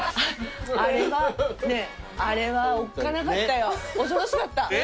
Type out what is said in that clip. あれはねぇあれはおっかなかったよ恐ろしかった。